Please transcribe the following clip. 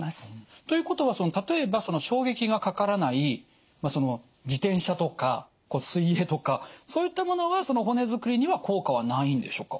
ということは例えば衝撃がかからない自転車とか水泳とかそういったものは骨づくりには効果はないんでしょうか。